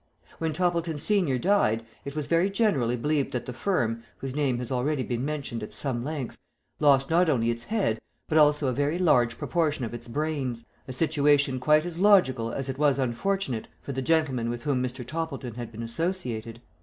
When Toppleton, Sen., died, it was very generally believed that the firm, whose name has already been mentioned at some length, lost not only its head, but also a very large proportion of its brains, a situation quite as logical as it was unfortunate for the gentlemen with whom Mr. Toppleton had been associated.